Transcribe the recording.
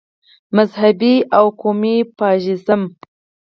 مذهبي او قومي فاشیزم.